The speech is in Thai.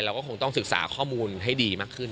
เราก็คงต้องศึกษาข้อมูลให้ดีมากขึ้น